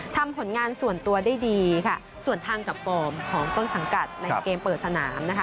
ทำผลงานส่วนตัวได้ดีค่ะส่วนทางกับฟอร์มของต้นสังกัดในเกมเปิดสนามนะคะ